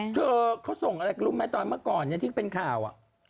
เธอเขาส่งอะไรรู้ไหมตอนเมื่อก่อนที่เป็นข่าว